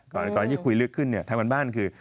ก่อนที่คุยลึกขึ้นเนี่ยทางการบ้านคือ